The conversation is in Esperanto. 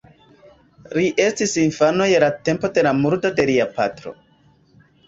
Li estis infano je la tempo de la murdo de lia patro.